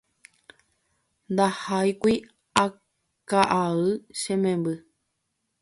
Ndahakúi ka'ay che memby